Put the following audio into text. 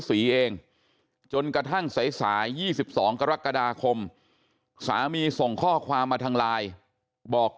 เองจนกระทั่งสาย๒๒กรกฎาคมสามีส่งข้อความมาทางไลน์บอก